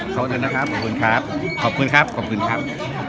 ขอบคุณนะครับขอบคุณครับขอบคุณครับขอบคุณครับ